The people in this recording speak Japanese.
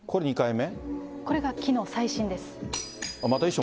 これがきのう、最新です。